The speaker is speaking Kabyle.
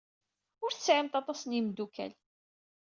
Ur tesɛimt aṭas n yimeddukal.